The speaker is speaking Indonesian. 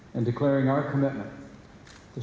dan mengatakan komitmen kita